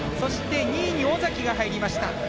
２位に尾崎が入りました。